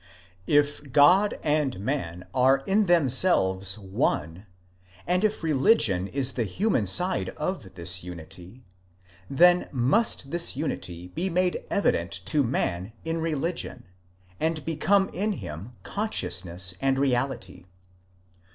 If God and man are in themselves ove, and if religion is the human side of this unity : then must this unity be made evident to man in religion, and be come in him consciousness and reality.